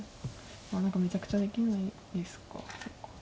まあ何かめちゃくちゃできないですか。